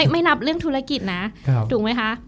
ไม่นับเรื่องธุรกิจนะถูกไหมคะ